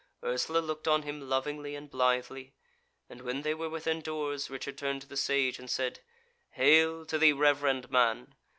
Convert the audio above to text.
Ursula looked on him lovingly and blithely; and when they were within doors Richard turned to the Sage and said: "Hail to thee, reverend man!